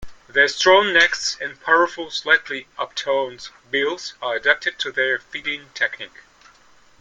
Their strong necks and powerful, slightly upturned bills are adapted to their feeding technique.